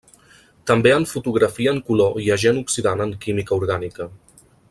També en fotografia en color i agent oxidant en química orgànica.